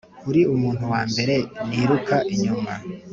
uri umuntu wambere niruka inyuma.